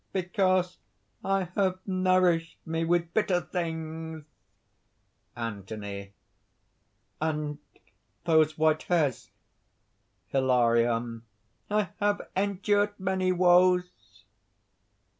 "Because I have nourished me with bitter things!" ANTHONY. "And those white hairs?" HILARION. "I have endured many woes!"